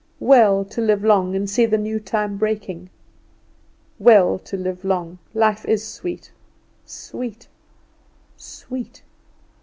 Well to live long and see the new time breaking. Well to live long; life is sweet, sweet, sweet!